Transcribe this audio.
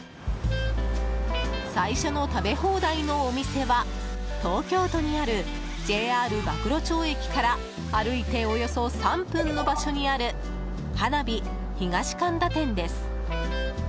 最初の食べ放題のお店は東京都にあるＪＲ馬喰町駅から歩いておよそ３分の場所にあるはなび東神田店です。